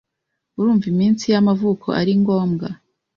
Urumva iminsi y'amavuko ari ngombwa?